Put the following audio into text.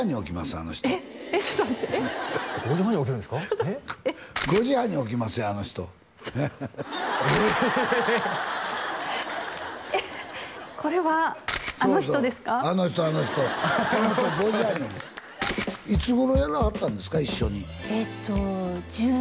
あの人あの人この人５時半にいつごろやらはったんですか一緒にえっと